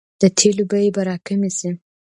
د تیلو بیې به راکمې شي؟